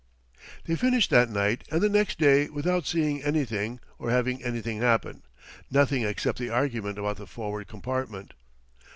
They finished that night and the next day without seeing anything or having anything happen. Nothing except the argument about the forward compartment.